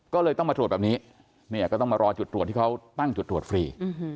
ก็เลยต้องมาตรวจแบบนี้เนี่ยก็ต้องมารอจุดตรวจที่เขาตั้งจุดตรวจฟรี